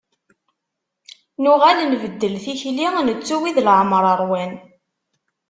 Nuɣal nbeddel tikli, nettu wid leɛmer ṛwan.